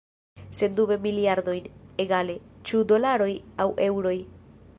Sendube miliardojn – egale, ĉu dolaroj aŭ eŭroj.